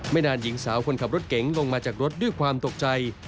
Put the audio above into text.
นานหญิงสาวคนขับรถเก๋งลงมาจากรถด้วยความตกใจ